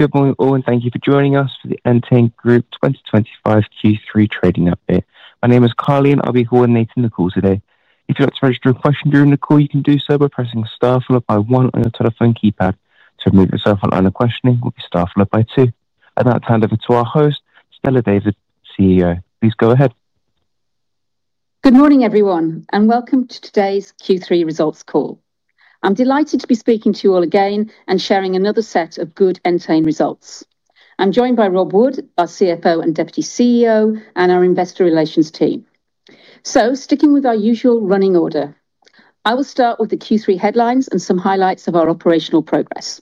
Good morning all and thank you for joining us for the Entain Group 2025 Q3 trading update. My name is Carly and I'll be coordinating the call today. If you'd like to register a question during the call, you can do so by pressing Star followed by one on your telephone keypad to remove yourself. Online of questioning will be Star followed by 2 and that turned over to our host, Stella David, CEO. Please go ahead. Good morning everyone and welcome to today's Q3 results call. I'm delighted to be speaking to you all again and sharing another set of good Entain results. I'm joined by Rob Wood, our CFO and Deputy CEO, and our Investor Relations team. Sticking with our usual running order, I will start with the Q3 headlines and some highlights of our operational progress.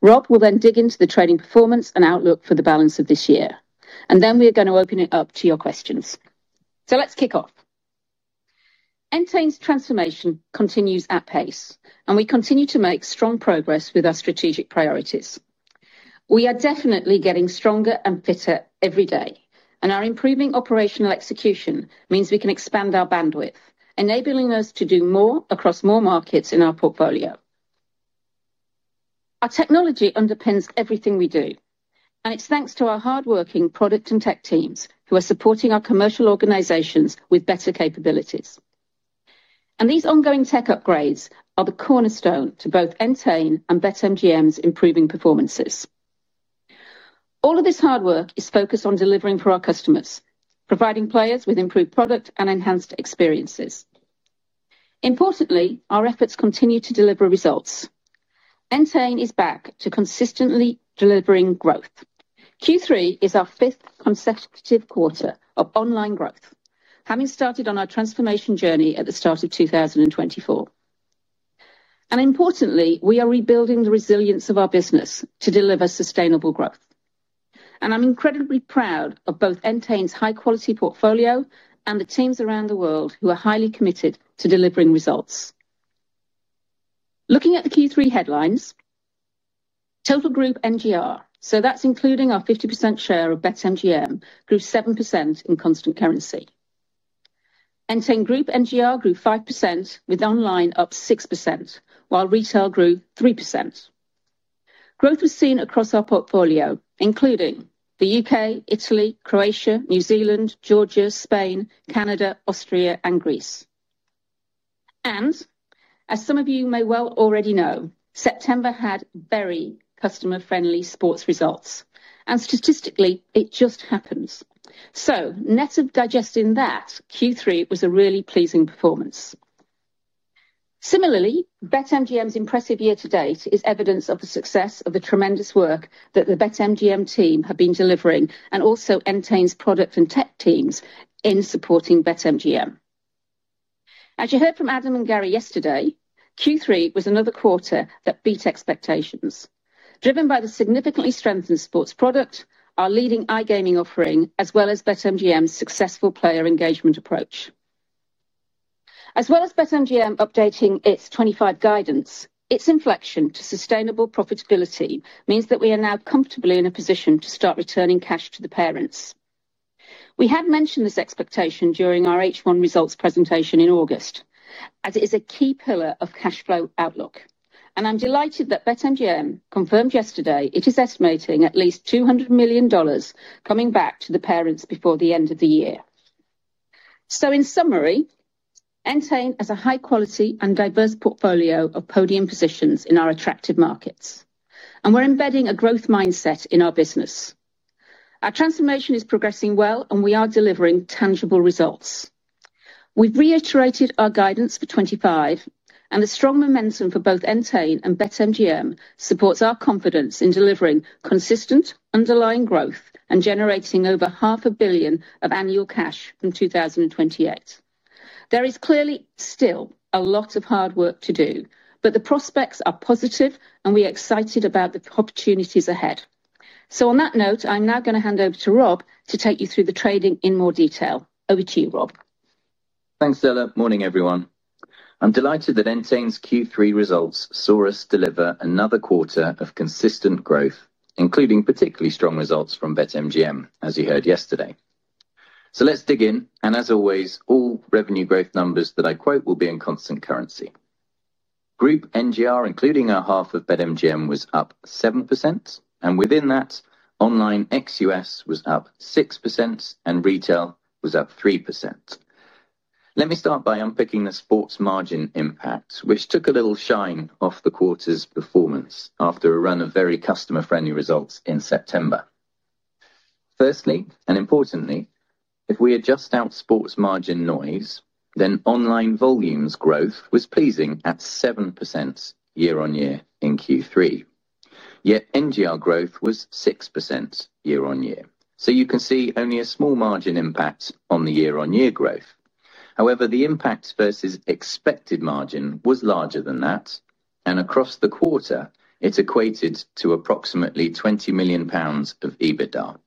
Rob will then dig into the trading performance and outlook for the balance of this year, and then we are going to open it up to your questions. Let's kick off. Entain's transformation continues at pace and we continue to make strong progress with our strategic priorities. We are definitely getting stronger and fitter every day, and our improving operational execution means we can expand our bandwidth, enabling us to do more across more markets in our portfolio. Our technology underpins everything we do, and it's thanks to our hardworking product and tech teams who are supporting our commercial organizations with better capabilities. These ongoing tech upgrades are the cornerstone to both Entain and BetMGM's improving performances. All of this hard work is focused on delivering for our customers, providing players with improved product and enhanced experiences. Importantly, our efforts continue to deliver results. Entain is back to consistently delivering growth. Q3 is our fifth consecutive quarter of online growth, having started on our transformation journey at the start of 2024. Importantly, we are rebuilding the resilience of our business to deliver sustainable growth. I'm incredibly proud of both Entain's high-quality portfolio and the teams around the world who are highly committed to delivering results. Looking at the Q3 headlines, Total Group NGR, including our 50% share of BetMGM, grew 7% in constant currency. Entain Group NGR grew 5%, with online up 6% while retail grew 3%. Growth was seen across our portfolio, including the U.K., Italy, Croatia, New Zealand, Georgia, Spain, Canada, Austria, and Greece. As some of you may well already know, September had very customer-friendly sports results, and statistically it just happens, so net of digesting that, Q3 was a really pleasing performance. Similarly, BetMGM's impressive year-to-date is evidence of the success of the tremendous work that the BetMGM team have been delivering and also Entain's product and tech teams in supporting BetMGM. As you heard from Adam and Gary yesterday, Q3 was another quarter that beat expectations, driven by the significantly strengthened sports product, our leading iGaming offering, as well as BetMGM's successful player engagement approach, as well as BetMGM updating its 2025 guidance. Its inflection to sustainable profitability means that we are now comfortably in a position to start returning cash to the parents. We had mentioned this expectation during our H1 results presentation in August, as it is a key pillar of cash flow outlook, and I'm delighted that BetMGM confirmed yesterday it is estimating at least $200 million coming back to the parent before the end of the year. In summary, Entain has a high quality and diverse portfolio of podium positions in our attractive markets, and we're embedding a growth mindset in our business. Our transformation is progressing well, and we are delivering tangible results. We've reiterated our guidance for 2025, and the strong momentum for both Entain and BetMGM supports our confidence in delivering consistent underlying growth and generating over $0.5 billion of annual cash from 2028. There is clearly still a lot of hard work to do, but the prospects are positive, and we are excited about the opportunities ahead. On that note, I'm now going to hand over to Rob to take you through the trading in more detail. Over to you, Rob. Thanks Stella. Morning everyone. I'm delighted that Entain's Q3 results saw us deliver another quarter of consistent growth, including particularly strong results from BetMGM as you heard yesterday. Let's dig in and as always, all revenue growth numbers that I quote will be in constant currency. Group NGR, including our half of BetMGM, was up 7% and within that online ex U.S. was up 6% and retail was up 3%. Let me start by unpicking the sports margin impact, which took a little shine off the quarter's performance after a run of very customer-friendly results in September. Firstly and importantly, if we adjust out sports margin noise, then online volumes growth was pleasing at 7% year-on-year in Q3, yet NGR growth was 6% year-on-year, so you can see only a small margin impact on the year-on-year growth. However, the impact versus expected margin was larger than that and across the quarter it equated to approximately 20 million pounds of EBITDA.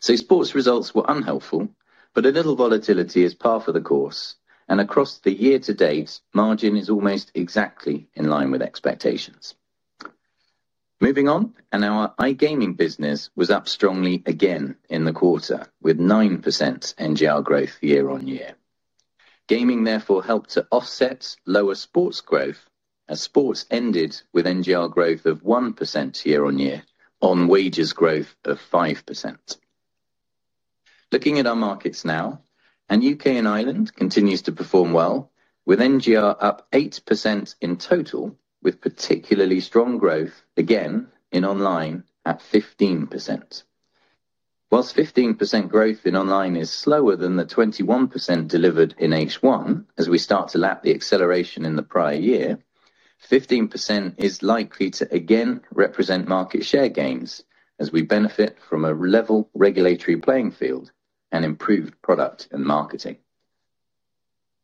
Sports results were unhelpful, but a little volatility is par for the course and across the year-to-date, margin is almost exactly in line with expectations. Moving on, our iGaming business was up strongly again in the quarter with 9% NGR growth year-on-year. Gaming therefore helped to offset lower sports growth as sports ended with NGR growth of 1% year-on-year on wagers growth of 5%. Looking at our markets now, U.K. and Ireland continues to perform well with NGR up 8% in total, with particularly strong growth again in online at 15%. Whilst 15% growth in online is slower than the 21% delivered in H1 as we start to lap the acceleration in the prior year, 15% is likely to again represent market share gains as we benefit from a level regulatory playing field and improved product and marketing.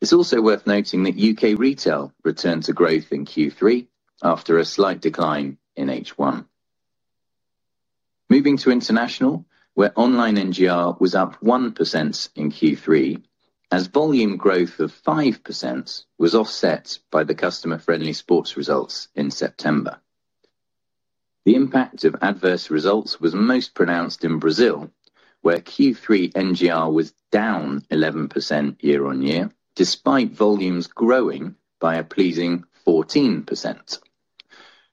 It's also worth noting that U.K. retail returned to growth in Q3 after a slight decline in H1. Moving to international, where online NGR was up 1% in Q3 as volume growth of 5% was offset by the customer-friendly sports results in September. The impact of adverse results was most pronounced in Brazil, where Q3 NGR was down 11% year-on-year despite volumes growing by a pleasing 14%.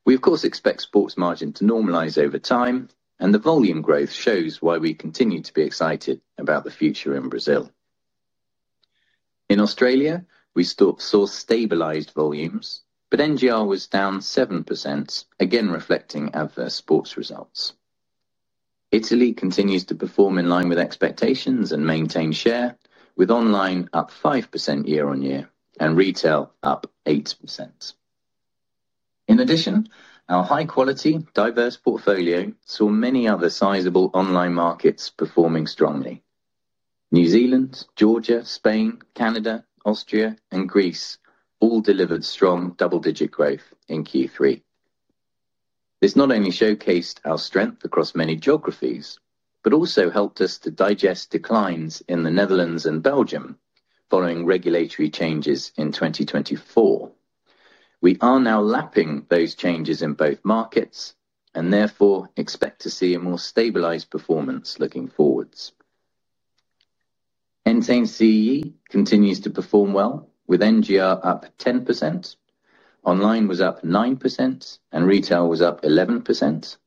We of course expect sports margin to normalize over time and the volume growth shows why we continue to be excited about the future in Brazil. In Australia, we saw stabilized volumes, but NGR was down 7%, again reflecting adverse sports results. Italy continues to perform in line with expectations and maintain share, with online up 5% year-on-year and retail up 8%. In addition, our high quality diverse portfolio saw many other sizable online markets performing strongly. New Zealand, Georgia, Spain, Canada, Austria, and Greece all delivered strong double-digit growth in Q3. This not only showcased our strength across many geographies, but also helped us to digest declines in the Netherlands and Belgium following regulatory changes in 2024. We are now lapping those changes in both markets and therefore expect to see a more stabilized performance looking forward. Entain CEE continues to perform well with NGR up 10%, online was up 9%, and retail was up 11%.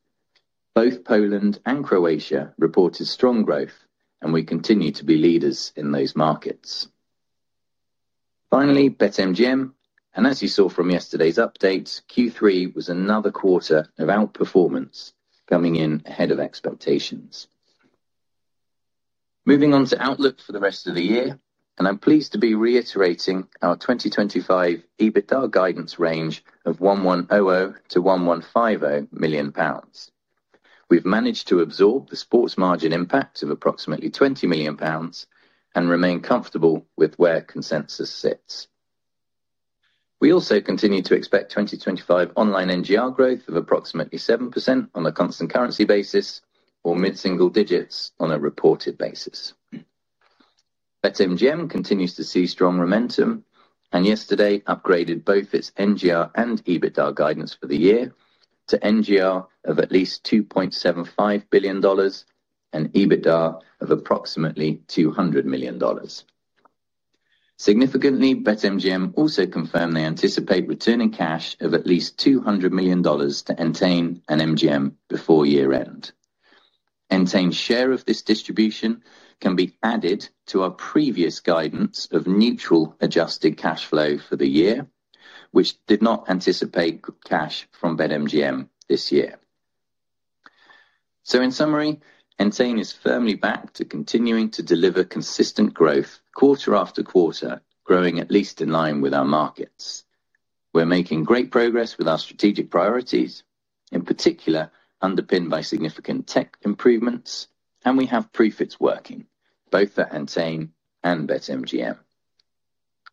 Both Poland and Croatia reported strong growth and we continue to be leaders in those markets. Finally, BetMGM, and as you saw from yesterday's update, Q3 was another quarter of outperformance coming in ahead of expectations. Moving on to outlook for the rest of the year, I'm pleased to be reiterating our 2025 EBITDA guidance range of 1,100 million-1,150 million pounds. We've managed to absorb the sports margin impact of approximately 20 million pounds and remain comfortable with where consensus sits. We also continue to expect 2025 online NGR growth of approximately 7% on a constant currency basis or mid-single digits on a reported basis. BetMGM continues to see strong momentum and yesterday upgraded both its NGR and EBITDA guidance for the year to NGR of at least $2.75 billion and EBITDA of approximately $200 million. Significantly, BetMGM also confirmed they anticipate returning cash of at least $200 million to Entain and MGM before year end. Entain's share of this distribution can be added to our previous guidance of neutral adjusted cash flow for the year, which did not anticipate cash from BetMGM this year. In summary, Entain is firmly back to continuing to deliver consistent growth quarter after quarter, growing at least in line with our markets. We're making great progress with our strategic priorities, in particular underpinned by significant tech improvements, and we have profits working both at Entain and BetMGM.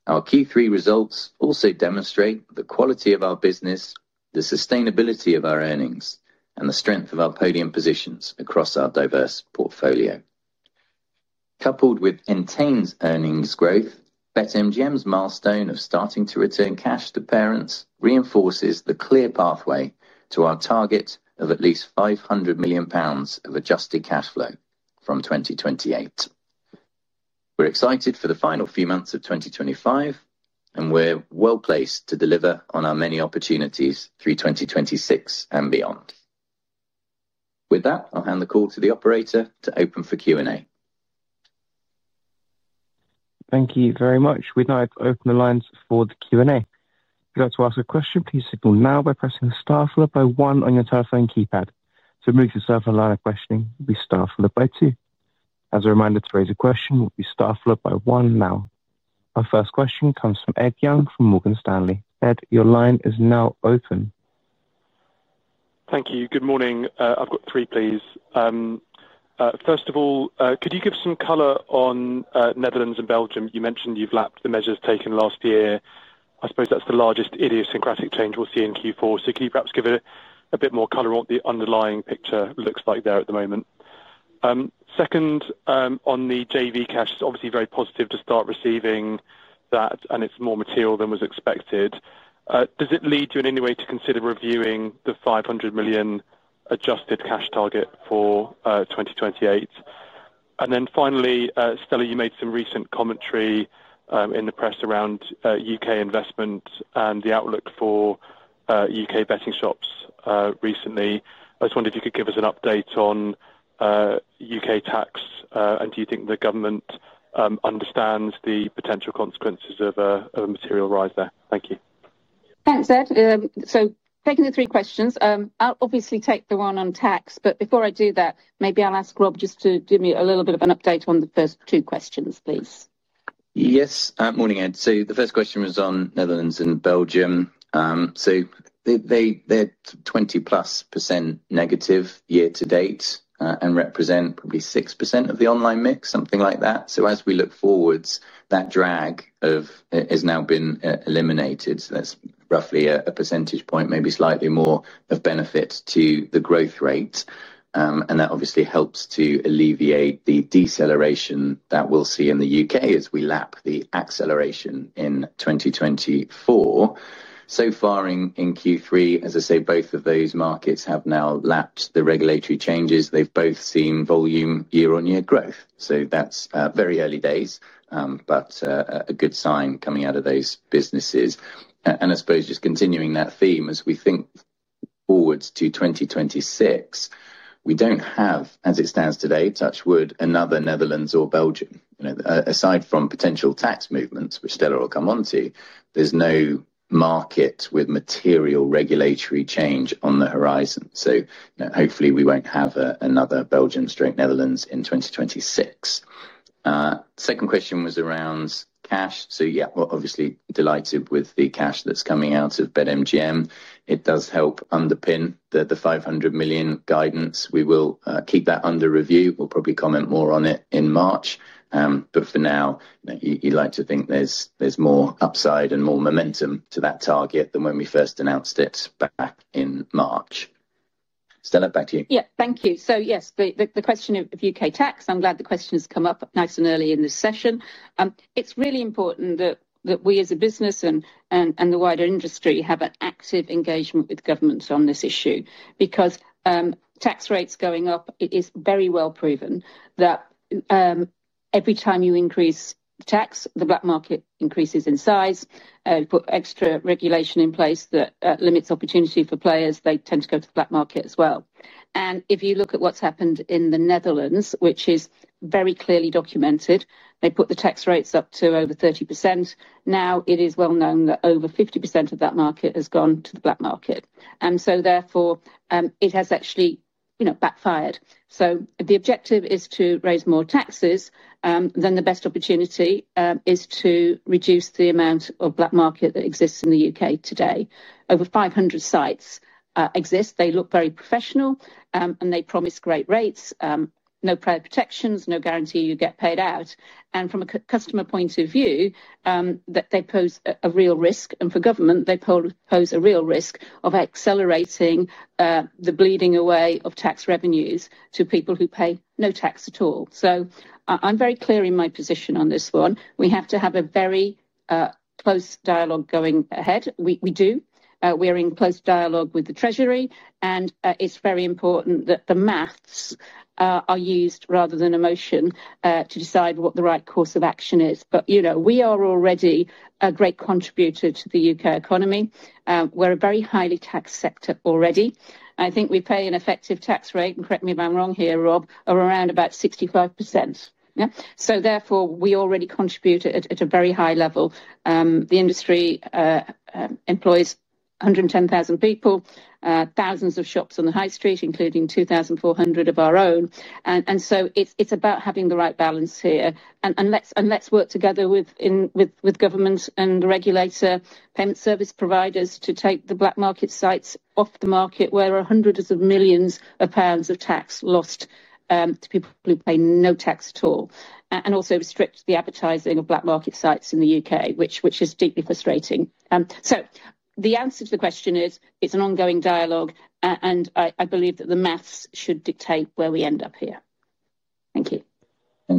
Our Q3 results also demonstrate the quality of our business, the sustainability of our earnings, and the strength of our podium positions across our diverse portfolio. Coupled with Entain's earnings growth, BetMGM's milestone of starting to return cash to parents further reinforces the clear pathway to our target of at least 500 million pounds of adjusted cash flow from 2028. We're excited for the final few months of 2025, and we're well placed to deliver on our many opportunities through 2026 and beyond. With that, I'll hand the call to the operator to open for Q&A. Thank you very much. We'd like to open the lines for the Q&A. If you'd like to ask a question, please signal now by pressing Star followed by one on your telephone keypad to move yourself a line of questioning. We start followed by two. As a reminder, to raise a question, it'll be Star followed by one. Now our first question comes from Ed Young from Morgan Stanley. Ed, your line is now open. Thank you. Good morning. I've got three, please. First of all, could you give some color on Netherlands and Belgium? You mentioned you've lapped the measures taken last year. I suppose that's the largest idiosyncratic change we'll see in Q4, so can you perhaps give a bit more color on what the underlying picture looks like there at the moment? Second, on the JV, cash is obviously very positive to start receiving that and it's more material than was expected. Does it lead you in any way to consider reviewing the 500 million adjusted cash flow target for 2028? Finally, Stella, you made some recent commentary in the press around U.K. investment and the outlook for U.K. betting shops recently. I just wonder if you could give us an update on U.K. tax and do you think the government understands the potential consequences of a material rise there? Thank you. Thanks, Ed. Taking the three questions, I'll obviously take the one on tax. Before I do that, maybe I'll ask Rob just to give me a little bit of an update on the first two questions, please. Yes. Morning, Ed. The first question was on Netherlands and Belgium. They're 20%+ negative year-to-date and represent probably 6% of the online mix, something like that. As we look forwards, that drag has now been eliminated. That's roughly a percentage point, maybe slightly more of benefits to the growth rate, and that obviously helps to alleviate the deceleration that we'll see in the U.K. as we lap the acceleration in 2024. So far in Q3, both of those markets have now lapped the regulatory changes. They've both seen volume year-on-year growth. That's very early days but a good sign coming out of those businesses. Just continuing that theme as we think forwards to 2026, we don't have, as it stands today, touch wood, another Netherlands or Belgium. Aside from potential tax movements, which Stella will come onto, there's no market with material regulatory change on the horizon. Hopefully we won't have another Belgium straight Netherlands in 2026. Second question was around cash. We're obviously delighted with the cash that's coming out of BetMGM. It does help underpin the 500 million guidance. We will keep that under review. We'll probably comment more on it in March. For now, you like to think there's more upside and more momentum to that target than when we first announced it back in March. Stella, back to you. Yeah, thank you. Yes, the question of U.K. tax. I'm glad the question has come up nice and early in this session. It's really important that we as a business and the wider industry have an active engagement with governments on this issue. Because tax rates going up. It is very well proven that every time you increase tax, the black market increases in size, put extra regulation in place that limits opportunity for players. They tend to go to the black market as well. If you look at what's happened in the Netherlands, which is very clearly documented, they put the tax rates up to over 30%. Now it is well known that over 50% of that market has gone to the black market. Therefore it has actually, you know, backfired. If the objective is to raise more taxes, then the best opportunity is to reduce the amount of black market that exists in the U.K. today. Over 500 sites exist. They look very professional and they promise great rates, no prior protections, no guarantee you get paid out. From a customer point of view, they pose a real risk and for government, they pose a real risk of accelerating the bleeding away of tax revenues to people who pay no tax at all. I'm very clear in my position on this one. We have to have a very close dialogue going ahead. We do. We are in close dialogue with the Treasury and it's very important that the maths are used rather than emotion to decide what the right course of action is. You know, we are already a great contributor to the U.K. economy. We're a very highly-taxed sector already. I think we pay an effective tax rate, and correct me if I'm wrong here, Rob, of around about 65%. Therefore we already contribute at a very high level. The industry employs 110,000 people, thousands of shops on the high street, including 2,400 of our own. It's about having the right balance here. Let's work together with government and regulator, payment service providers to take the black market sites off the market, where hundreds of millions of pounds of tax are lost to people who pay no tax at all. Also restrict the advertising of black market sites in the U.K., which is deeply frustrating. The answer to the question is it's an ongoing dialogue and I believe that the maths should dictate where we end up here. Thank you.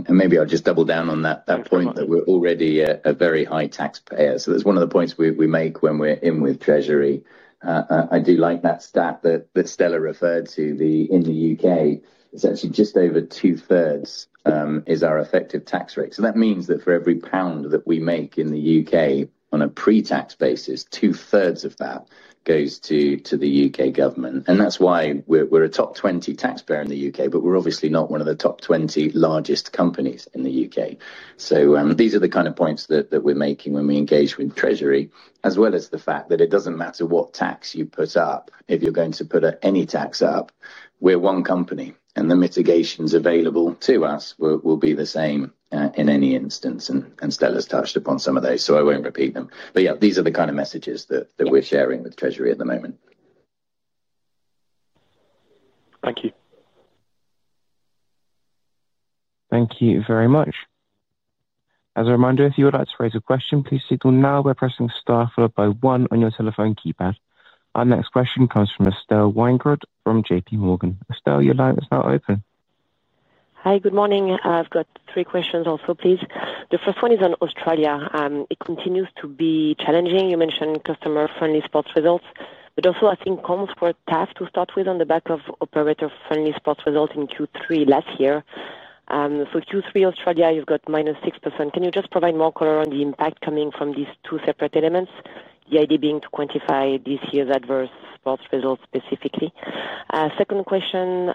Maybe I'll just double down on that point that we're already a very high taxpayer. That's one of the points we make when we're in with Treasury. I do like that stat that Stella referred to, in the U.K., it's actually just over 2/3 is our effective tax rate. That means that for every pound that we make in the U.K. on a pre-tax basis, 66% of that goes to the U.K. government and that's why we're a top 20 taxpayer in the U.K., but we're obviously not one of the top 20 largest companies in the U.K.. These are the kind of points that we're making when we engage with Treasury as well as the fact that it doesn't matter what tax you put up, if you're going to put any tax up. We're one company and the mitigations available to us will be the same in any instance. Stella's touched upon some of those, so I won't repeat them. These are the kind of messages that we're sharing with Treasury at the moment. Thank you. Thank you very much. As a reminder, if you would like to raise a question, please signal now by pressing Star followed by one on your telephone keypad. Our next question comes from Estelle Weingrod from JPMorgan. Estelle, your line is now open. Hi, good morning. I've got three questions also, please. The first one is on Australia. It continues to be challenging. You mentioned customer-friendly sports results, but also I think comms were tough to start with on the back of operator-friendly sports results in Q3 last year. For Q3 Australia, you've got -6%. Can you just provide more color on the impact coming from these two separate elements? The idea being to quantify this year's adverse sports results specifically. Second question,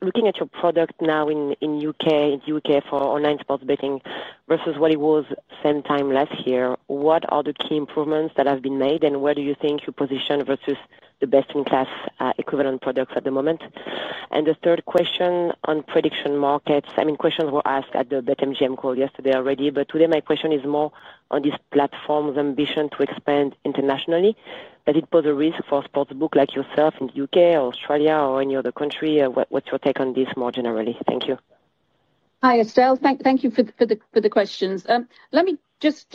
looking at your product now in the U.K. for online sports betting versus what it was same time last year, what are the key improvements that have been made and where do you think you position versus the best-in-class equivalent products at the moment? The third question on prediction markets, I mean, questions were asked at the BetMGM call yesterday already, but today my question is more on this platform's ambition to expand internationally. Does it pose a risk for a Sportsbook like yourself in the U.K., Australia, or any other country? What's your take on this more generally? Thank you. Hi, Estelle, thank you for the questions. Let me just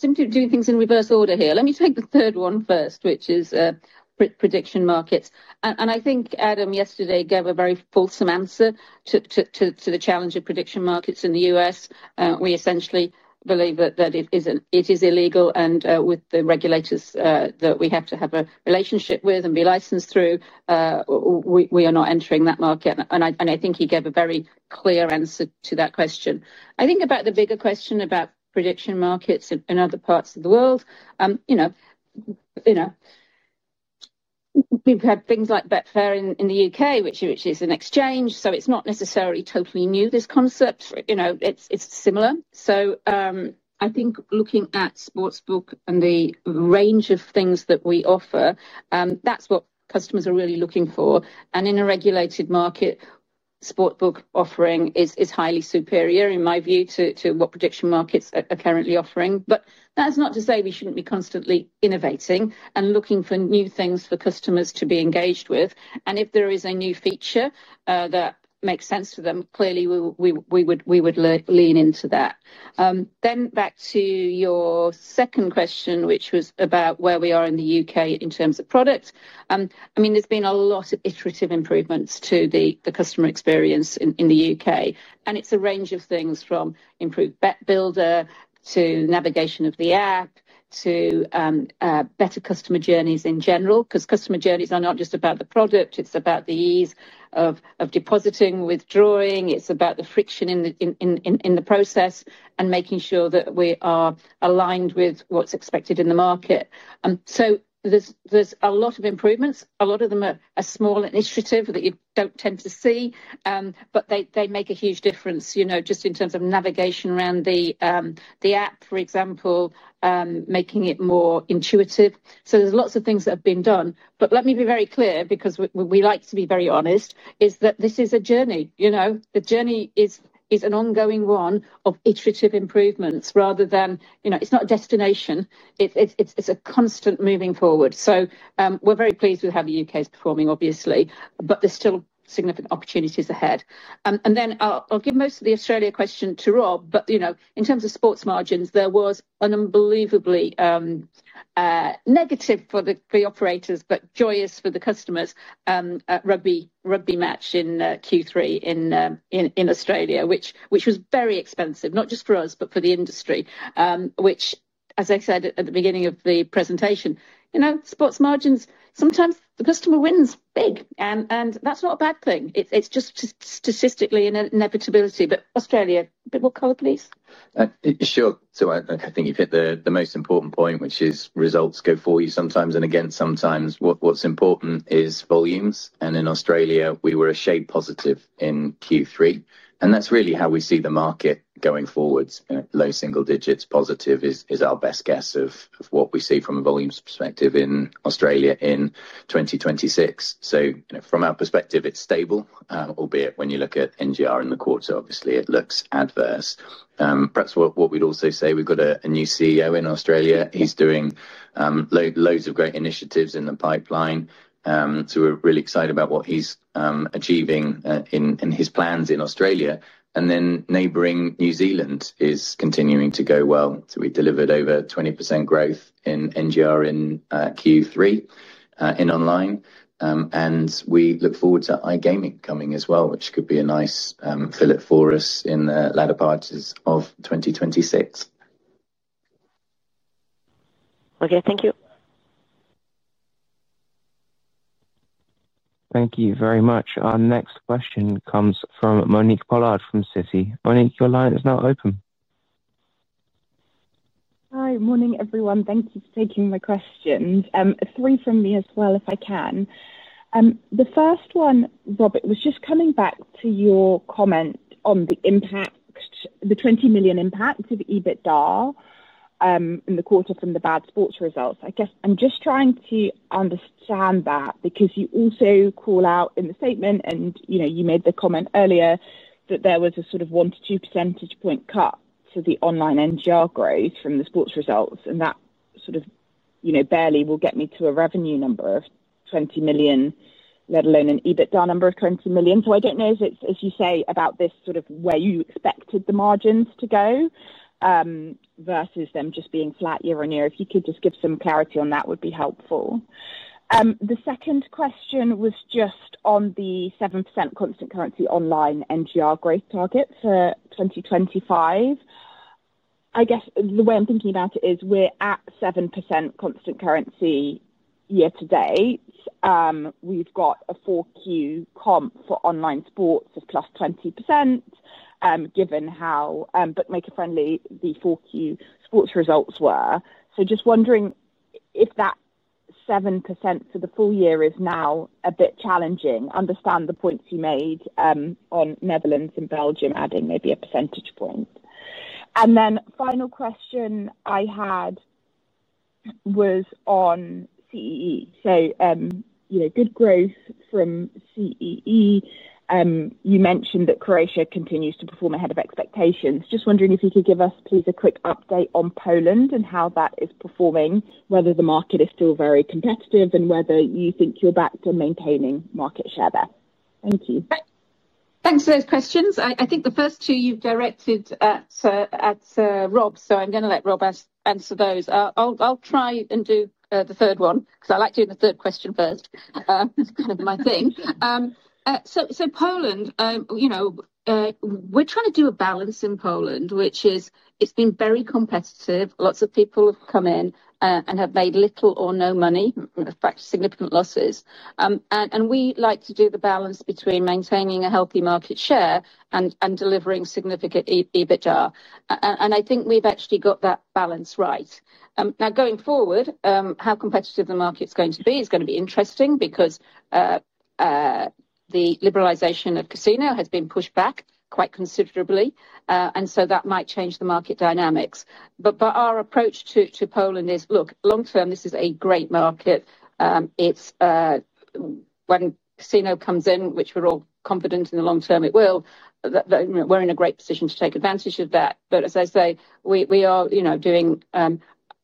do things in reverse order here. I'll take the third one first, which is prediction markets. I think Adam yesterday gave a very fulsome answer to the challenge of prediction markets in the U.S. We essentially believe that it is illegal, and with the regulators that we have to have a relationship with and be licensed through, we are not entering that market. I think he gave a very clear answer to that question. I think about the bigger question about prediction markets in other parts of the world. We've had things like Betfair in the U.K., which is an exchange, so it's not necessarily totally new, this concept. It's similar. I think looking at Sportsbook and the range of things that we offer, that's what customers are really looking for. In a regulated market, Sportsbook offering is highly superior in my view to what prediction markets are currently offering. That's not to say we shouldn't be constantly innovating and looking for new things for customers to be engaged with. If there is a new feature that makes sense to them, clearly we would lean into that. Back to your second question, which was about where we are in the U.K. in terms of product. There's been a lot of iterative improvements to the customer experience in the U.K., and it's a range of things from improved bet builder to navigation of the app to better customer journeys in general. Customer journeys are not just about the product, it's about the ease of depositing, withdrawing, it's about the friction in the process and making sure that we are aligned with what's expected in the market. There's a lot of improvements. A lot of them are small initiatives that you don't tend to see, but they make a huge difference, just in terms of navigation around the app, for example, making it more intuitive. There's lots of things that have been done. Let me be very clear, because we like to be very honest, this is a journey. The journey is an ongoing one of iterative improvements rather than, it's not a destination, it's a constant moving forward. We're very pleased with how the U.K. is performing, obviously, but there's still significant opportunities ahead. I'll give most of the Australia question to Rob, but in terms of sports margins, there was an unbelievably negative for the operators, but joyous for the customers. Rugby. Rugby match in Q3 in Australia, which was very expensive, not just for us, but for the industry. As I said at the beginning of the presentation, sports margins, sometimes the customer wins big and that's not a bad thing. It's just statistical inevitability. Australia, bit more color, please. Sure. I think you've hit the most important point, which is results go for you sometimes. Again, sometimes what's important is volumes. In Australia we were a shade positive in Q3, and that's really how we see the market going forwards. Low single-digits positive is our best guess of what we see from a volumes perspective in Australia in 2026. From our perspective it's stable, albeit when you look at NGR in the quarter, obviously it looks adverse. Perhaps what we'd also say, we've got a new CEO in Australia, he's doing loads of great initiatives in the pipeline. We're really excited about what he's achieving in his plans in Australia, and then neighboring New Zealand is continuing to go well. We delivered over 20% growth in NGR in Q3 in online, and we look forward to iGaming coming as well, which could be a nice fillip for us in the latter part of 2020. Okay, thank you. Thank you very much. Our next question comes from Monique Pollard from Citi. Monique, your line is now open. Hi.Morning everyone. Thank you for taking my questions. Three from me as well, if I can. The first one, Rob, was just coming back to your comment on the impact, the $20 million impact of EBITDA in the quarter from the bad sports results. I guess I'm just trying to understand that because you also call out in the statement and you made the comment earlier that there was a sort of 1%-2% cut to the online NGR growth from the sports results, and that sort of, you know, barely will get me to a revenue number of $20 million, let alone an EBITDA number of $20 million. I don't know if it's, as you say, about this sort of where you expected the margins to go versus them just being flat year-on-year. If you could just give some clarity on that, it would be helpful. The second question was just on the 7% constant currency online NGR, great target for 2025. I guess the way I'm thinking about it is we're at 7% constant currency year-to-date. We've got a 4Q comp for online sports is +20% given how bookmaker friendly the 4Q sports results were. Just wondering if that 7% for the full year is now a bit challenging. Understand the points you made on Netherlands and Belgium, adding maybe a percentage point. The final question I had was on, you know, good growth from CEE. You mentioned that Croatia continues to perform ahead of expectations. Just wondering if you could give us, please, a quick update on Poland and how that is performing, whether the market is still very competitive and whether you think you're back to maintaining market share there. Thank you. Thanks for those questions. I think the first two you've directed at Rob, so I'm going to let Rob answer those. I'll try and do the third one because I like doing the third question first. It's kind of my thing. Poland, you know, we're trying to do a balance in Poland, which is it's been very competitive. Lots of people have come in and have made little or no money, significant losses. We like to do the balance between maintaining a healthy market share and delivering significant EBITDA. I think we've actually got that balance right now going forward. How competitive the market is going to be is going to be interesting because the liberalization of casino has been pushed back quite considerably. That might change the market dynamics. Our approach to Poland is, look, long-term, this is a great market. It's when casino comes in, which we're all confident in the long-term it will, we're in a great position to take advantage of that. As I say, we are doing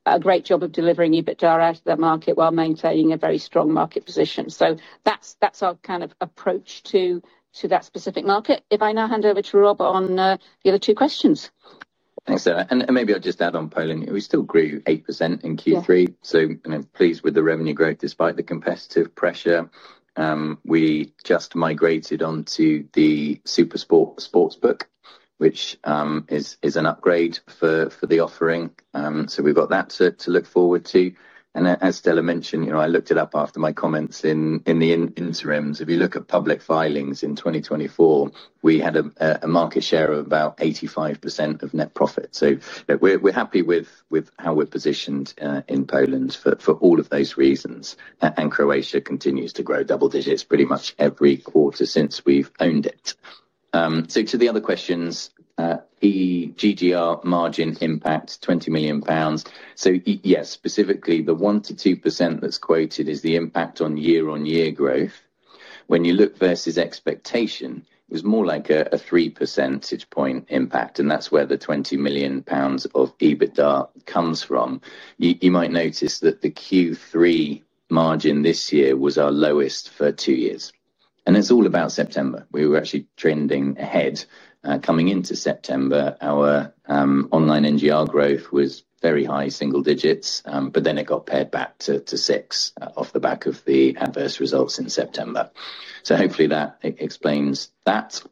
a great job of delivering EBITDA out of that market while maintaining a very strong market position. That's our kind of approach to that specific market. If I now hand over to Rob on the other two questions. Thanks, Sarah. Maybe I'll just add on Poland, we still grew 8% in Q3. Pleased with the revenue growth despite the competitive pressure, we just migrated onto the Supersport Sportsbook, which is an upgrade for the offering. We've got that to look forward to. As Stella mentioned, I looked it up after my comments in the interims. If you look at public filings, in 2024, we had a market share of about 85% of net profit. We're happy with how we're positioned in Poland for all of those reasons. Croatia continues to grow double-digits pretty much every quarter since we've owned it. To the other questions, E GGR margin impact. 20 million pounds. Yes, specifically the 1%-2% that's quoted is the impact on year-on-year growth. When you look versus expectation, it was more like a three percentage point impact. That's where the 20 million pounds of EBITDA comes from. You might notice that the Q3 margin this year was our lowest for two years, and it's all about September. We were actually trending ahead coming into September. Our online NGR growth was very high single-digits, but then it got pared back to 6% off the back of the adverse results in September. Hopefully that explains that.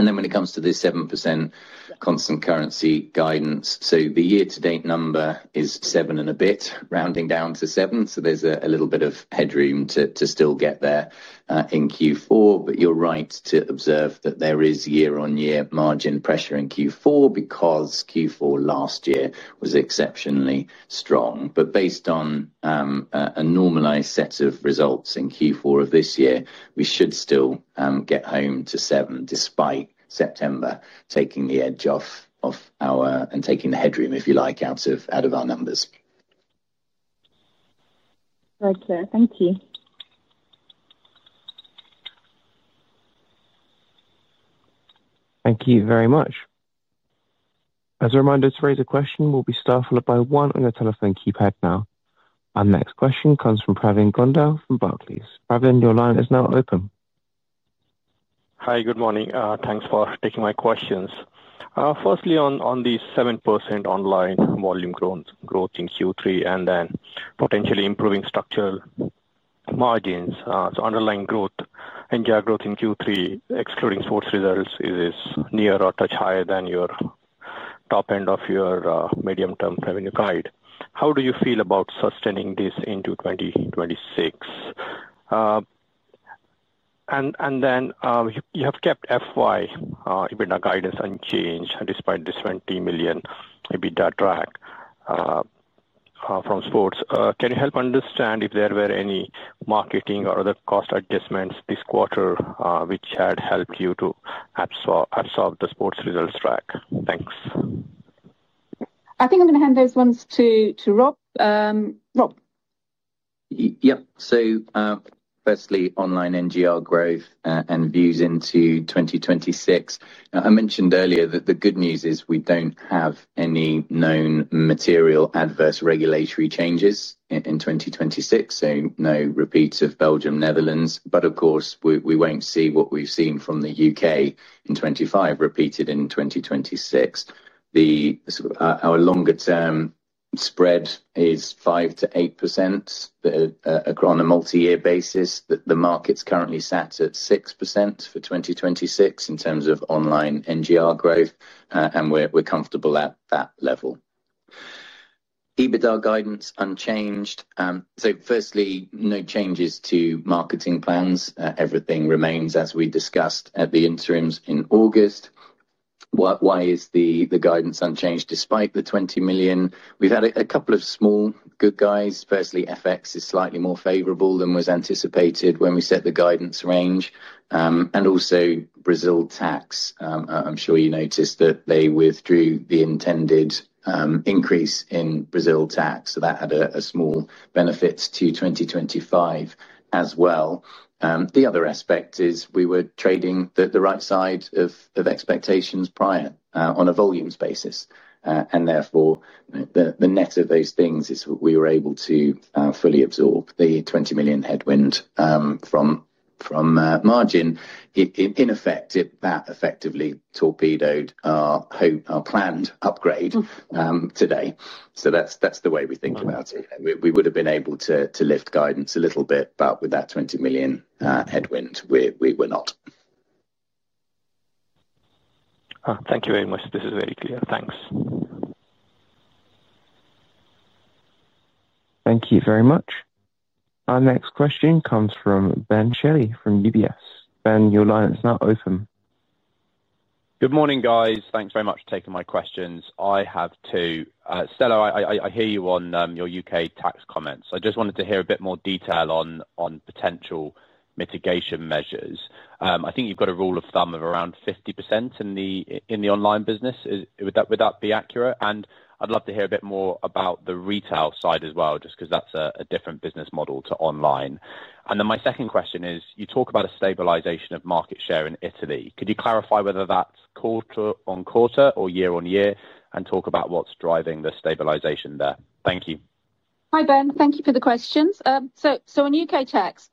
When it comes to this 7% constant currency guidance, the year-to-date number is seven and a bit, rounding down to seven. There's a little bit of headroom to still get there in Q4. You're right to observe that there is year-on-year margin pressure in Q4 because Q4 last year was exceptionally strong. Based on a normalized set of results in Q4 of this year, we should still get home to 7% despite September taking the edge off and taking the headroom, if you like, out of our numbers. Right, Stella, thank you. Thank you very much. As a reminder, to raise a question, please press one on your telephone keypad. Now our next question comes from Pravin Gondhale from Barclays. Pravin, your line is now open. Hi, good morning. Thanks for taking my questions. Firstly, on the 7% online volume growth in Q3 and then potentially improving structural margins. Underlying growth, NGR growth in Q3 excluding sports results is near or touch higher than your top end of your medium-term revenue guide. How do you feel about sustaining this into 2026? You have kept FY EBITDA guidance unchanged despite this $20 million EBITDA drag from sports. Can you help understand if there were any marketing or other cost adjustments this quarter which had helped you to absorb the sports results drag? Thanks. I think I'm going to hand those ones to Rob. Yep. Firstly, online NGR growth and views into 2026. I mentioned earlier that the good news is we don't have any known material adverse regulatory changes in 2026. No repeats of Belgium, Netherlands. Of course, we won't see what we've seen from the U.K. in 2025 repeated in 2026. Our longer term spread is 5%-8% on a multi-year basis. The market's currently sat at 6% for 2026 in terms of online NGR growth and we're comfortable at that level. EBITDA guidance unchanged. No changes to marketing plans. Everything remains as we discussed at the interims in August. Why is the guidance unchanged despite the $20 million? We've had a couple of small good guys. Firstly, FX is slightly more favorable than was anticipated when we set the guidance range. Also, Brazil tax. I'm sure you noticed that they withdrew the intended increase in Brazil tax so that had a small benefit to 2025 as well. The other aspect is we were trading the right side of expectations prior on a volumes basis and therefore the net of those things is we were able to fully absorb the $20 million headwind from margin. In effect, that effectively torpedoed our planned upgrade today. That's the way we think about it. We would have been able to lift guidance a little bit but with that $20 million headwind we were not. Thank you very much. This is very clear. Thank you very much. Our next question comes from Ben Shelley from UBS. Ben, your line is now open. Good morning, guys. Thanks very much for taking my questions. I have two. Stella, I hear you on your U.K. tax comments. I just wanted to hear a bit more detail on potential mitigation measures. I think you've got a rule of thumb of around 50% in the online business. Would that be accurate? I'd love to hear a bit more about the retail side as well, just because that's a different business model to online. My second question is, you talk about a stabilization of market share in Italy. Could you clarify whether that's quarter on quarter or year-on-year and talk about what's driving the stabilization there? Thank you. Hi, Ben, thank you for the questions. On U.K. tax,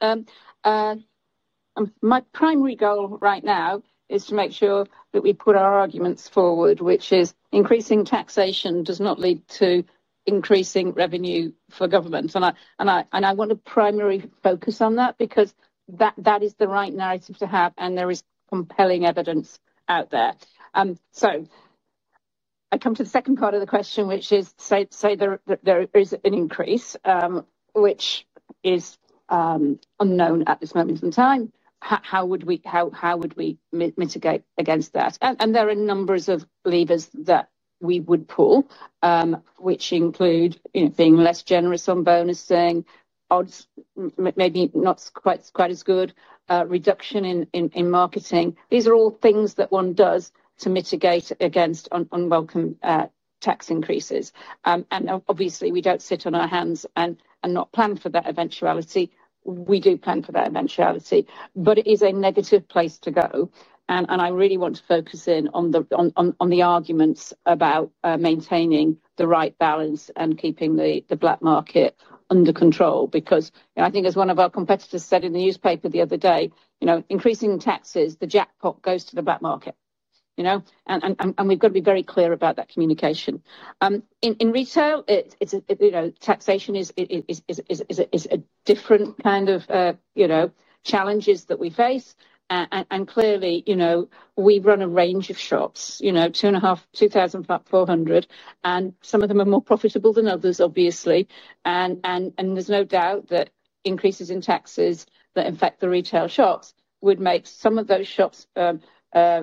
my primary goal right now is to make sure that we put our arguments forward, which is increasing taxation does not lead to increasing revenue for government. I want to primary focus on that because that is the right narrative to have and there is compelling evidence out there. I come to the second part of the question, which is, say there is an increase which is unknown at this moment in time. How would we mitigate against that? There are numbers of levers that we would pull which include being less generous on bonusing odds, maybe not quite as good reduction in marketing. These are all things that one does to mitigate against unwelcome tax increases. Obviously we don't sit on our hands and not plan for that eventuality. We do plan for that eventuality, but it is a negative place to go. I really want to focus in on the arguments about maintaining the right balance and keeping the black market under control, because I think, as one of our competitors said in the newspaper the other day, increasing taxes, the jackpot goes to the black market. We've got to be very clear about that communication. In retail taxation is different kind of, you know, challenges that we face. Clearly, you know, we run a range of shops, you know, 2.5, 2,400, and some of them are more profitable than others, obviously. There's no doubt that increases in taxes that in fact the retail shops would make some of those shops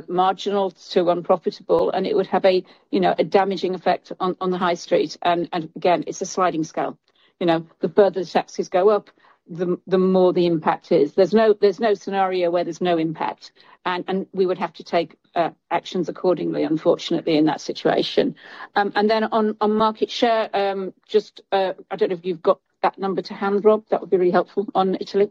marginal to unprofitable and it would have a, you know, a damaging effect on the high street. Again, it's a sliding scale, you know, the further the taxes go up, the more the impact is. There's no scenario where there's no impact and we would have to take actions accordingly, unfortunately, in that situation. On market share, just, I don't know if you've got that number to hand, Rob, that would be really helpful on Italy.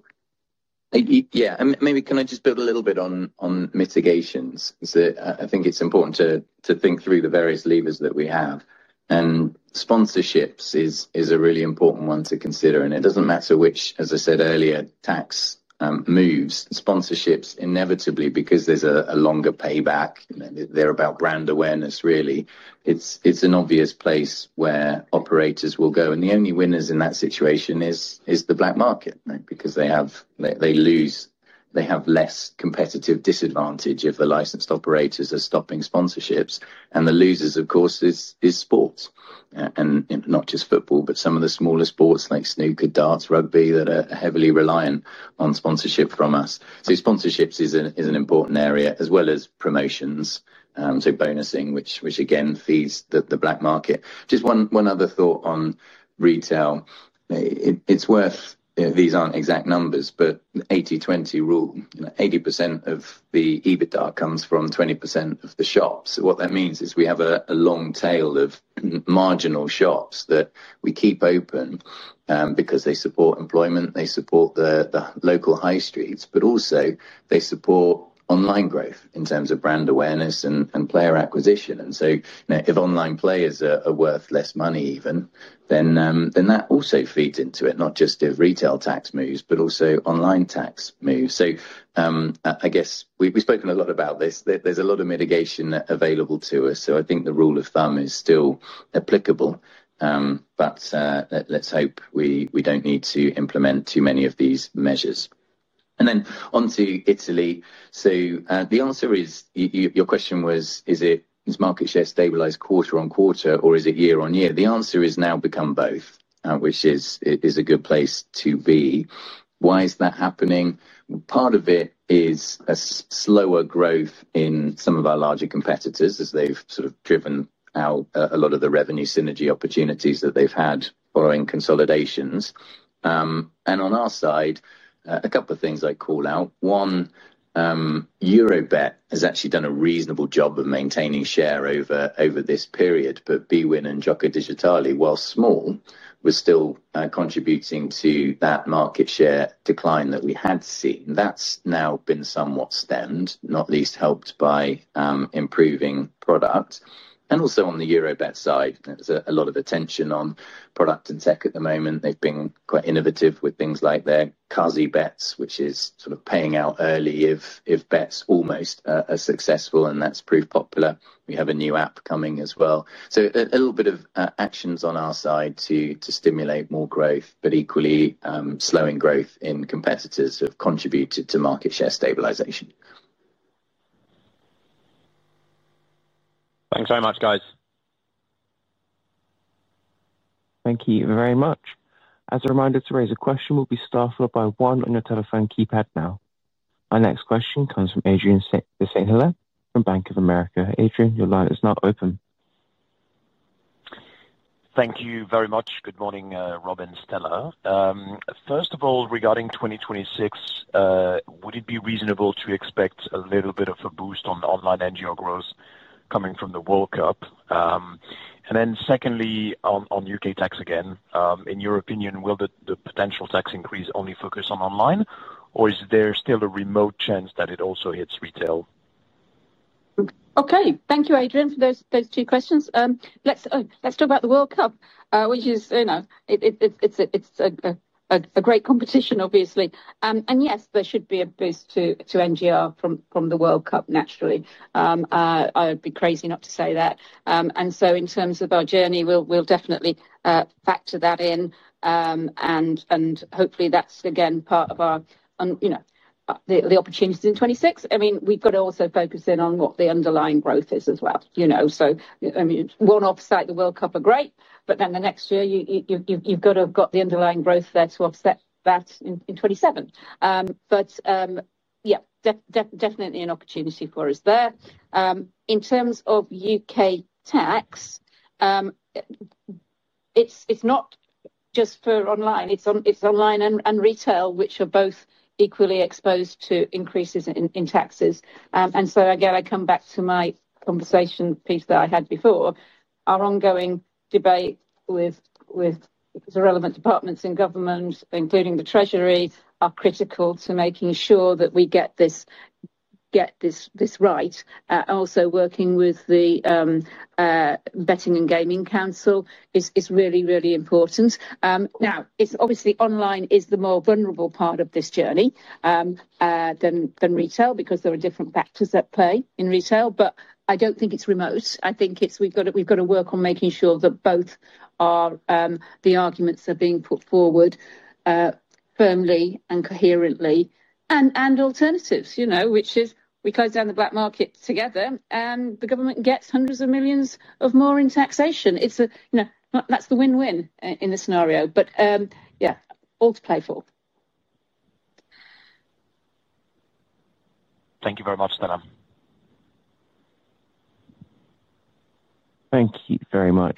Yeah, maybe. Can I just build a little bit on mitigations? I think it's important to think through the various levers that we have, and sponsorships is a really important one to consider. It doesn't matter which, as I said earlier, tax moves, sponsorships, inevitably because there's a longer payback. They're about brand awareness really. It's an obvious place where operators will go, and the only winners in that situation is the black market because they have less competitive disadvantage if the licensed operators are stopping sponsorships. The losers, of course, is sports, and not just football, but some of the smaller sports like snooker, darts, rugby, that are heavily reliant on sponsorship from us. Sponsorships is an important area as well as promotions. Bonusing, which again feeds the black market. Just one other thought on retail, it's worth. These aren't exact numbers, but 80/20 rule, you know, 80% of the EBITDA comes from 20% of the shops. What that means is we have a long tail of marginal shops that we keep open because they support employment, they support the local high streets, but also they support online growth in terms of brand awareness and player acquisition. If online players are worth less money even then that also feeds into it, not just of retail tax moves, but also online tax moves. I guess we've spoken a lot about this, there's a lot of mitigation available to us, so I think the rule of thumb is still applicable. Let's hope we don't need to implement too many of these measures. On to Italy. The answer is your question was is it is market share stabilized quarter on quarter or is it year-on-year? The answer is now become both, which is a good place to be. Why is that happening? Part of it is a slower growth in some of our larger competitors as they've sort of been driven out a lot of the revenue synergy opportunities that they've had following consolidations. On our side, a couple of things I call out. One, Eurobet has actually done a reasonable job of maintaining share over this period. Bwin and Gioco Digitale, while small, was still contributing to that market share decline that we had seen that's now been somewhat stemmed, not least helped by improving product and also on the Eurobet, there's a lot of attention on product and tech at the moment. They've been quite innovative with things like their CARSI bets, which is sort of paying out early if bets almost are successful, and that's proved popular. We have a new app coming as well. A little bit of actions on our side to stimulate more growth but equally slowing growth in competitors have contributed to market share stabilization. Thanks very much, guys. Thank you very much. As a reminder, to raise a question, it will be staffed by one on your telephone keypad. Now our next question comes from Adrien de Saint Hilaire from Bank of America. Adrien, your line is now open. Thank you very much. Good morning, Rob and Stella. First of all, regarding 2026, would it be reasonable to expect a little bit of a boost on online NGR growth coming from the FIFA World Cup? Secondly, on U.K. tax, in your opinion, will the potential tax increase only focus on online or is there still a remote chance that it also hits retail? Okay, thank you, Adrien, for those two questions. Let's talk about the World Cup, which is, you know, it's a great competition obviously, and yes, there should be a boost to NGR from the World Cup, naturally. I would be crazy not to say that. In terms of our journey, we'll definitely factor that in and hopefully that's again part of our, you know, the opportunities in 2026. We've got to also focus in on what the underlying growth is as well, you know, so I mean one-off site, the World Cup are great, but then the next year you've got to have got the underlying growth there to offset that in 2027. Yeah, definitely an opportunity for us there. In terms of U.K. tax, it's not just for online, it's online and retail which are both equally exposed to increases in taxes. I come back to my conversation piece that I had before. Our ongoing debate with the relevant departments in government, including the Treasury, are critical to making sure that we get this right. Also, working with the Betting and Gaming Council is really, really important. Obviously, online is the more vulnerable part of this journey than retail because there are different factors at play in retail. I don't think it's remote. We've got to work on making sure that both are, the arguments are being put forward firmly and coherently and alternatives, you know, which is we close down the black market together and the government gets hundreds of millions more in taxation. It's a, you know, that's the win-win in the scenario. Yeah, all to play for. Thank you very much, Stella. Thank you very much.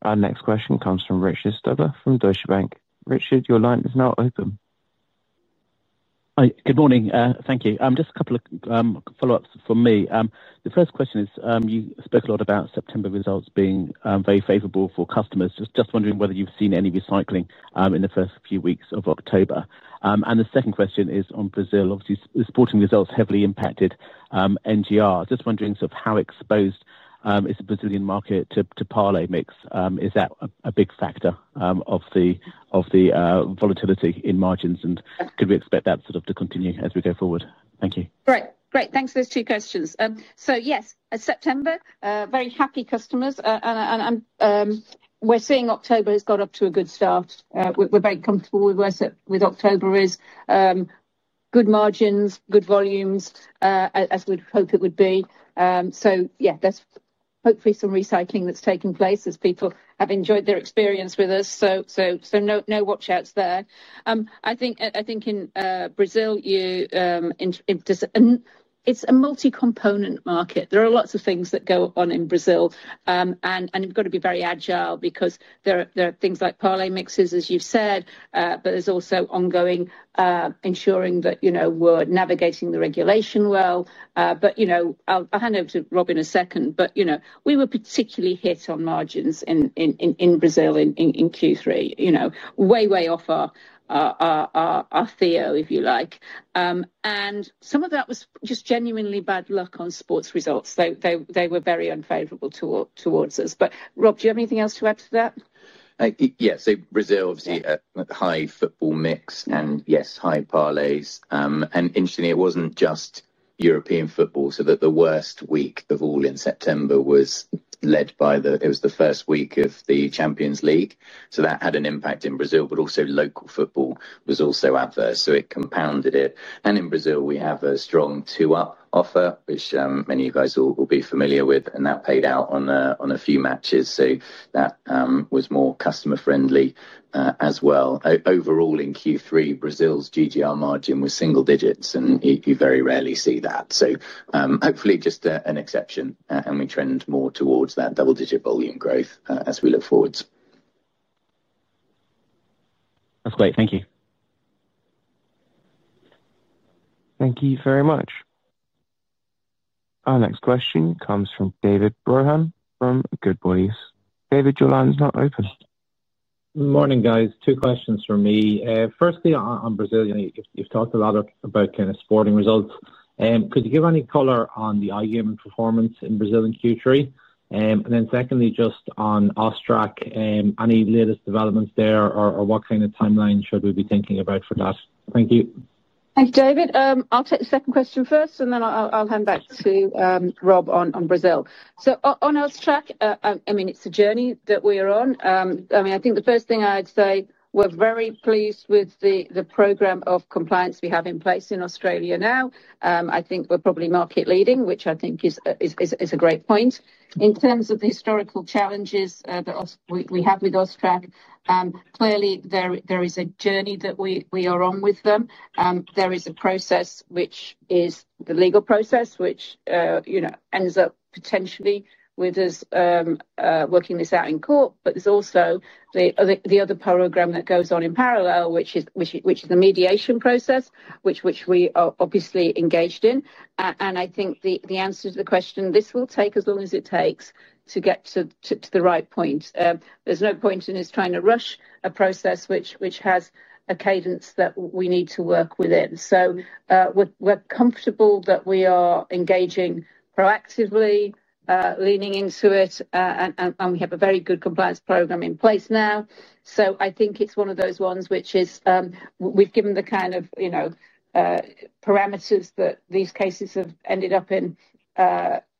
Our next question comes from Richard Stuber from Deutsche Bank. Richard, your line is now open. Good morning. Thank you. Just a couple of follow ups from me. The first question is you spoke a lot about September results being very favorable for customers. Just wondering whether you've seen any recycling in the first few weeks of October. The second question is on Brazil. Obviously sporting results heavily impacted NGR. Just wondering how exposed is the Brazilian market to parlay mix? Is that a big factor of the volatility in margins and could we expect that sort of to continue as we go forward? Thank you. Right, great. Thanks for those two questions. Yes, September, very happy customers and we're seeing October has got up to a good start. We're very comfortable with October's good margins, good volumes, as we'd hope it would be. There's hopefully some recycling that's taking place as people have enjoyed their experience with us. No watch outs there. I think in Brazil it's a multi-component market. There are lots of things that go on in Brazil and you've got to be very agile because there are things like parlay mixes as you've said, but there's also ongoing ensuring that, you know, we're navigating the regulation well. I'll hand over to Rob in a second. We were particularly hit on margins in Brazil in Q3, way, way off our Theo, if you like. Some of that was just genuinely bad luck on sports results. They were very unfavorable towards us. Rob, do you have anything else to add to that? Yeah, so Brazil obviously a high football mix and yes, high parlays. Interestingly, it wasn't just European football. The worst week of all in September was led by the first week of the Champions League. That had an impact in Brazil, but also local football was adverse, so it compounded it. In Brazil, we have a strong two up offer which many of you guys will be familiar with and that paid out on a few matches. That was more customer friendly as well. Overall in Q3, Brazil's GGR margin was single digits and you very rarely see that. Hopefully just an exception and we trend more towards that double digit volume growth as we look forwards. That's great. Thank you. Thank you very much. Our next question comes from David Brohan from Goodbody. David, your line's now open. Morning guys. Two questions for me. Firstly on Brazil, you've talked a lot about kind of sporting results. Could you give any color on the iGaming performance in Brazil in Q3? And then secondly just on AUSTRAC. Any latest developments there or what kind of timeline should we be thinking about for that? Thank you. Thanks, David. I'll take the second question first and then I'll hand back to Rob on Brazil. On AUSTRAC, it's a journey that we are on. I think the first thing I'd say is we're very pleased with the program of compliance we have in place in Australia now. I think we're probably market leading, which is a great point in terms of the historical challenges that we have with AUSTRAC. Clearly there is a journey that we are on with them. There is a process, which is the legal process, which ends up potentially with us working this out in court. There is also the other program that goes on in parallel, which is the mediation process, which we are obviously engaged in. I think the answer to the question is this will take as long as it takes to get to the right point. There's no point in us trying to rush a process which has a cadence that we need to work within. We're comfortable that we are engaging, proactively leaning into it, and we have a very good compliance program in place now. I think it's one of those ones where we've given the kind of parameters that these cases have ended up in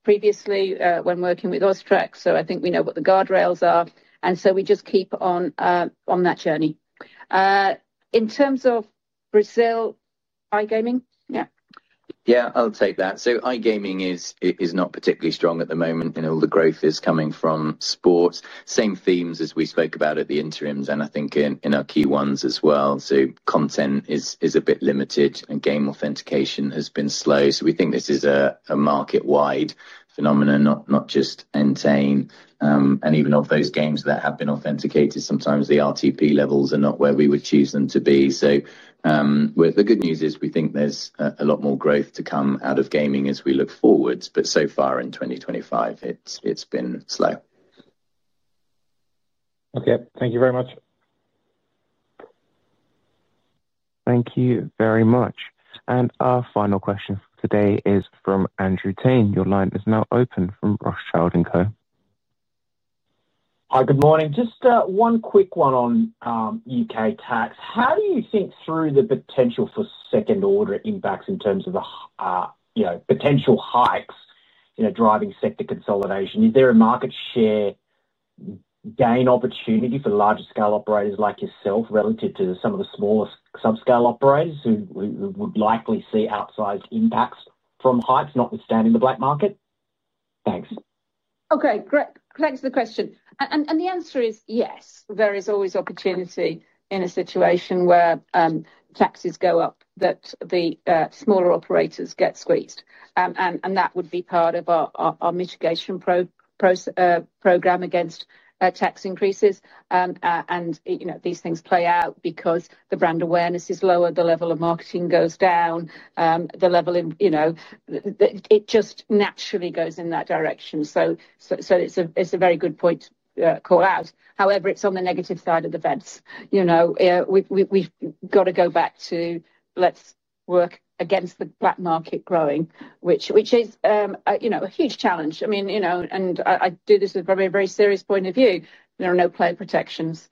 previously when working with AUSTRAC. I think we know what the guardrails are and we just keep on that journey. In terms of Brazil, iGaming. Yeah, I'll take that. iGaming is not particularly strong at the moment and all the growth is coming from sports. Same themes as we spoke about at the interims and I think in our key ones as well. Content is a bit limited and game authentication has been slow. We think this is a market-wide phenomenon, not just Entain. Even of those games that have been authenticated, sometimes the RTP levels are not where we would choose them to be. The good news is we think there's a lot more growth to come out of gaming as we look forwards. So far in 2025 it's been slow. Okay, thank you very much. Thank you very much. Our final question today is from Andrew Tayne. Your line is now open from Rothschild & Co. Hi, good morning. Just one quick one on U.K. tax. How do you think through the potential for second order impacts in terms of the potential hikes driving sector consolidation? Is there a market share gain opportunity for larger scale operators like yourself relative to some of the smallest subscale operators who would likely see outsized impacts from hikes, notwithstanding the black market? Thanks. Okay, great. Thanks to the question. The answer is yes. There is always opportunity in a situation where taxes go up that the smaller operators get squeezed. That would be part of our mitigation program against tax increases. These things play out because the brand awareness is lower, the level of marketing goes down, the level just naturally goes in that direction. It's a very good point to call out. However, it's on the negative side of the fence. We've got to go back to let's work against the black market growing, which is a huge challenge. I do this with a very serious point of view. There are no player protections,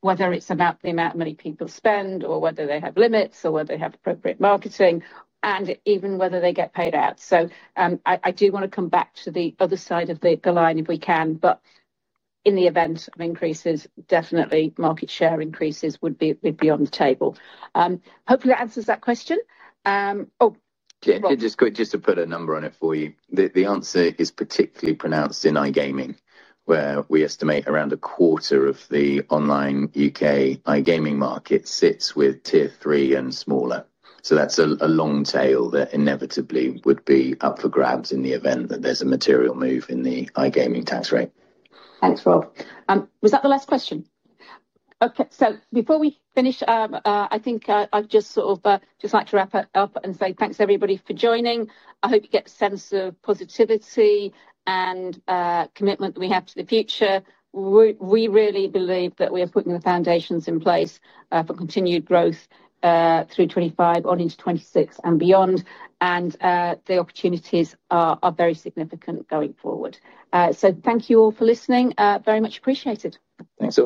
whether it's about the amount of money people spend or whether they have limits or whether they have appropriate marketing and even whether they get paid out. I do want to come back to the other side of the line if we can. In the event of increases, definitely market share increases would be on the table. Hopefully that answers that question. Oh, just to put a number on it for you, the answer is particularly pronounced in iGaming where we estimate around a quarter of the online U.K. iGaming market sits with Tier 3 and smaller. That's a long tail that inevitably would be up for grabs in the event that there's a material move in the iGaming tax rate. Thanks, Rob. Was that the last question? Okay, before we finish, I'd just like to wrap up and say thanks everybody for joining. I hope you get a sense of positivity and commitment that we have to the future. We really believe that we are putting the foundations in place for continued growth through 2025, on into 2026 and beyond. The opportunities are very significant going forward. Thank you all for listening. Very much appreciated. Thanks.